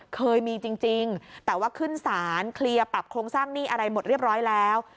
เคยมีจริงแต่ว่าขึ้นศาลเคลียร์ปรับโครงสร้างหนี้อะไรหมดเรียบร้อยแล้ว